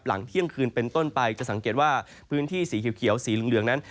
เที่ยงคืนเป็นต้นไปจะสังเกตว่าพื้นที่สีเขียวสีเหลืองนั้น